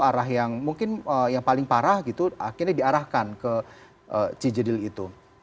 arah yang mungkin yang paling parah gitu akhirnya diarahkan ke cijedil itu